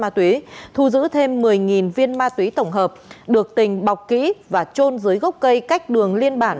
ma túy thu giữ thêm một mươi viên ma túy tổng hợp được tình bọc kỹ và trôn dưới gốc cây cách đường liên bản